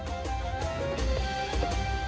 jangan kembali setelah itu